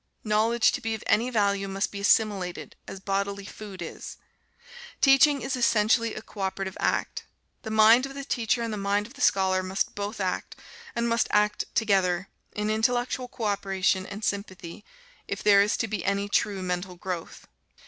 Knowledge, to be of any value, must be assimilated, as bodily food is. Teaching is essentially a co operative act. The mind of the teacher and the mind of the scholar must both act, and must act together, in intellectual co operation and sympathy, if there is to be any true mental growth.